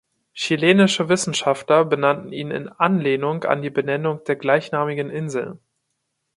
Chilenische Wissenschaftler benannten ihn in Anlehnung an die Benennung der gleichnamigen Insel.